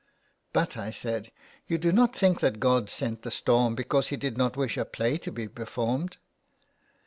" But," I said, " you do not think that God sent the storm because He did not wish a play to be performed."